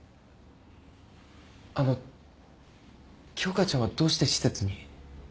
あの京花ちゃんはどうして施設に？